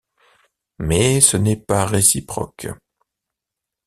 Mais ce n’est pas réciproque.